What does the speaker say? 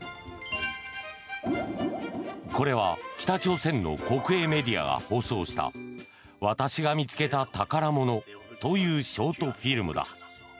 これは北朝鮮の国営メディアが放送した「私が見つけた宝物」というショートフィルムだ。